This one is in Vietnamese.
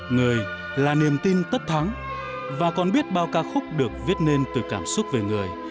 người là niềm tin tất thắng và còn biết bao ca khúc được viết nên từ cảm xúc về người